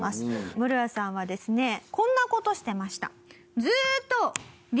ムロヤさんはですねこんな事してました。